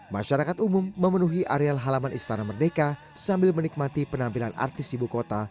masyarakat umum memenuhi areal halaman istana merdeka sambil menikmati penampilan artis ibu kota